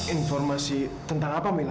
informasi tentang apa mila